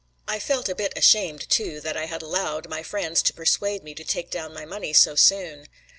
I felt a bit ashamed, too, that I had allowed my friends to persuade me to take down my money so soon.